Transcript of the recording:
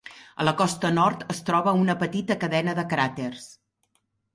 A la costa nord es troba una petita cadena de cràters.